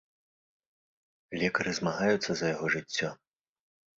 Лекары змагаюцца за яго жыццё.